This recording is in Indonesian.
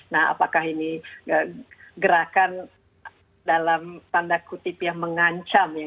nah apakah ini gerakan dalam tanda kutip yang mengancam